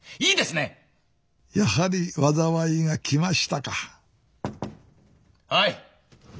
やはり災いが来ましたかはい。